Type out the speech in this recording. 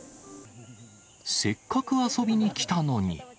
せっかく遊びに来たのに。